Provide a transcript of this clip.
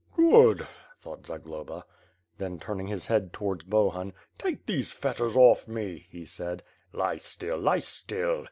..." "Good," thought Zagloba. Then, turning his head 'towards Bohun, "Take those fet ters oif me," he said. "Lie still! Lie still!